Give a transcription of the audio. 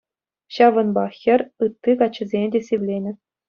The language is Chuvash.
Ҫавӑнпах хӗр ытти каччӑсене те сивленӗ.